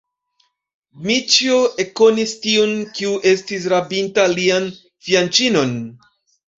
Dmiĉjo ekkonis tiun, kiu estis rabinta lian fianĉinon.